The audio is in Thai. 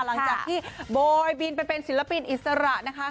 หลังจากที่โบยบินไปเป็นศิลปินอิสระนะคะ